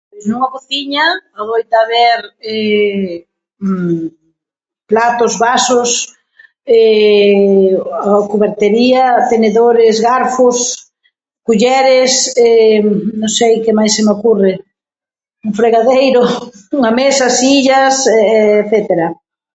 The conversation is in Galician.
Nunha cociña adoita haber platos, vasos, a cubertería, tenedores, garfos, culleres, non sei que máis se me ocurre. Un fregadeiro, unha mesa, sillas etcétera.